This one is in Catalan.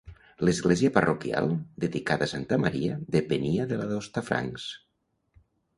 L'església parroquial, dedicada a Santa Maria, depenia de la d'Hostafrancs.